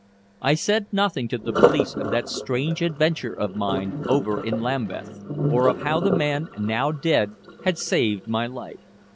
I said nothing to the police of that strange adventure of mine over in Lambeth, or of how the man now dead had saved my life.